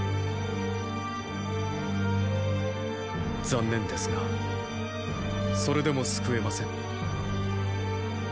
残念ですがそれでも救えません。